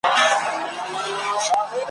زموږ د بخت پر تندي ستوری دا منظور د کردګار دی ,